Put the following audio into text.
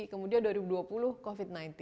kemudian dua ribu dua puluh covid sembilan belas